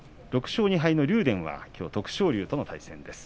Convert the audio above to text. ６勝２敗の竜電は、きょう徳勝龍との対戦です。